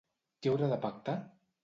Qui haurà de pactar?